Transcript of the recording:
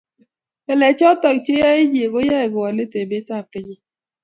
ngalek choto cheyae iche koyae kowaa let emetab kenya